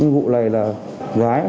vụ này là gái